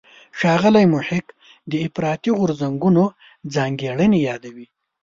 ښاغلی محق د افراطي غورځنګونو ځانګړنې یادوي.